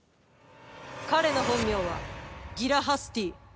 彼の本名はギラ・ハスティー。